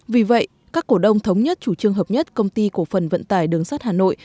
vì vậy các cổ đông thống nhất chủ trương hợp nhất công ty cổ phần vận tải đường sắt hà nội